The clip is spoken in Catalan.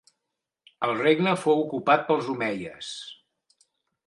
El regne fou ocupat pels omeies.